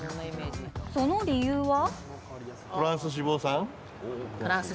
その理由は？